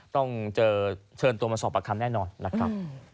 ต้องเจอเชิญตัวมาสอบประคำแน่นอนนะครับ